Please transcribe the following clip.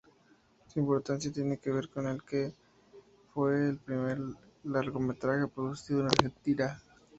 Su importancia tiene que ver con que fue el primer largometraje producido en Argentina.